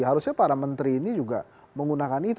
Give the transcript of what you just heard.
harusnya para menteri ini juga menggunakan itu